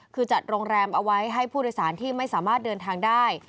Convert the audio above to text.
คือจัดโรงแรมเอาไว้ให้ผู้โดยสารที่ไม่สามารถเดินทางได้